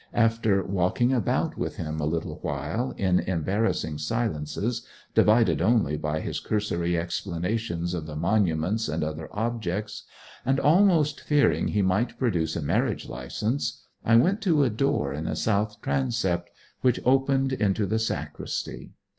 After walking about with him a little while in embarrassing silences, divided only by his cursory explanations of the monuments and other objects, and almost fearing he might produce a marriage licence, I went to a door in the south transept which opened into the sacristy.